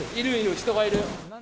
人がいる。